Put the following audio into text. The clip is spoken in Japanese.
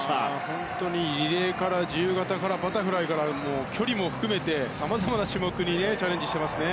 本当にリレーから自由形からバタフライから、距離も含めてさまざまな種目にチャレンジしてますね。